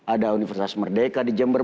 ada universitas merdeka di jember